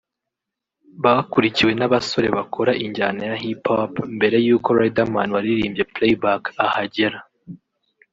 Bakurikiwe n’abasore bakora injyana ya Hip Hop mbere y’uko Riderman waririmbye Play Back ahagera